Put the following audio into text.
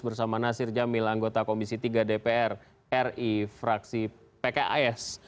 bersama nasir jamil anggota komisi tiga dpr ri fraksi pks